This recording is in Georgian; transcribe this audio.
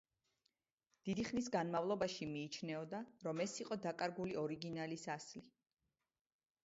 დიდი ხნის განმავლობაში მიიჩნეოდა, რომ ეს იყო დაკარგული ორიგინალის ასლი.